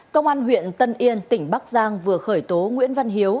công an huyện tân yên tỉnh bắc giang vừa khởi tố nguyễn văn hiếu